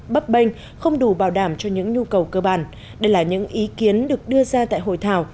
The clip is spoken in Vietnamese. bấp bênh không đủ bảo đảm cho những nhu cầu cơ bản đây là những ý kiến được đưa ra tại hội thảo